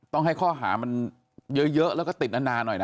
ต้องให้ข้อหามันเยอะแล้วก็ติดนานหน่อยนะ